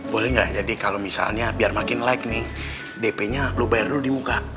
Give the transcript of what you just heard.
boleh nggak jadi kalau misalnya biar makin like nih dp nya lu bayar dulu di muka